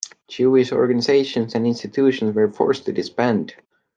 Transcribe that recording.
Jewish organizations and institutions were forced to disband.